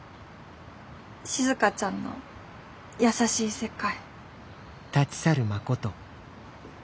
静ちゃんの優しい世界。